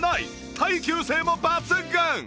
耐久性も抜群！